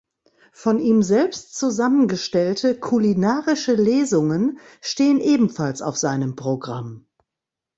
Von ihm selbst zusammengestellte „kulinarische Lesungen“ stehen ebenfalls auf seinem Programm.